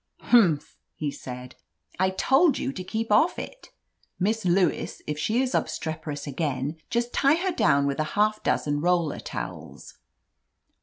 "Humph !" he said. "I told you to keep off it! Miss Lewis, if she is obstreperous again, just tie her down with a half dozen roller towels."